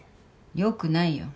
よくないよ。